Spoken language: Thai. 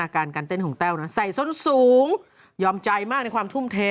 การการเต้นของแต้วนะใส่ส้นสูงยอมใจมากในความทุ่มเท